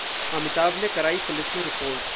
अमिताभ ने कराई पुलिस में रिपोर्ट